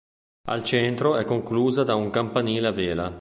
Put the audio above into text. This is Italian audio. Al centro è conclusa da un campanile a vela.